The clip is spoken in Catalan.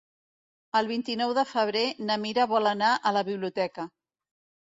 El vint-i-nou de febrer na Mira vol anar a la biblioteca.